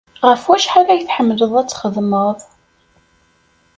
Ɣef wacḥal ay tḥemmleḍ ad txedmeḍ?